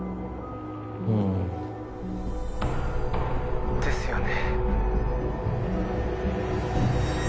うん☎ですよね